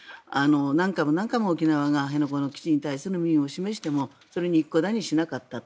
何回も何回も沖縄が辺野古の基地に対する民意を示してもそれを一顧だにしなかったと。